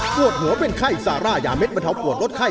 ปวดหัวเป็นไข้ซาร่ายาเด็ดบรรเทาปวดลดไข้